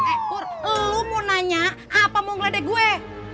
eh pur lo mau nanya apa mau ngeledek gue